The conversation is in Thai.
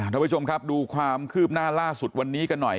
ท่านผู้ชมครับดูความคืบหน้าล่าสุดวันนี้กันหน่อย